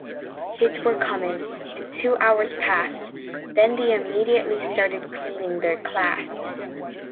kids were coming, and two hours passed, then they immediately started cleaning their class.